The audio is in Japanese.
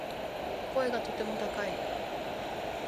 声がとても高い